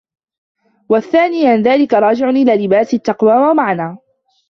وَالثَّانِي أَنَّ ذَلِكَ رَاجِعٌ إلَى لِبَاسِ التَّقْوَى وَمَعْنَى